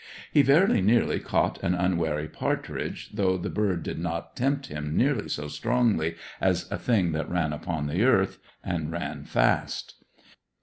He very nearly caught an unwary partridge, though the bird did not tempt him nearly so strongly as a thing that ran upon the earth, and ran fast.